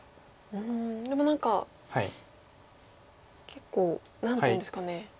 うんでも何か結構何ていうんですかね。